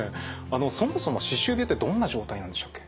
そもそも歯周病ってどんな状態なんでしたっけ？